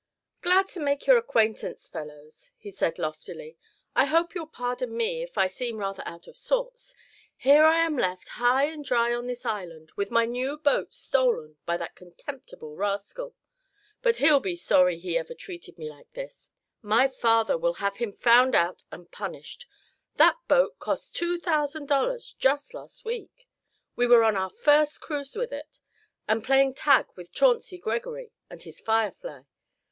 "Glad to make your acquaintance, fellows," he said, loftily. "I hope you'll pardon me if I seem rather out of sorts. Here I am left, high and dry on this island, with my new boat stolen by that contemptible rascal. But he'll be sorry he ever treated me like this. My father will have him found out and punished. That boat cost two thousand dollars just last week. We were on our first cruise with it, and playing tag with Chauncey Gregory and his Firefly.